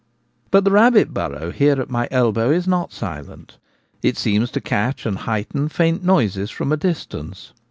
But the rabbit burrow here at my elbow is not silent ; it seems to catch and heighten faint noises from a distance.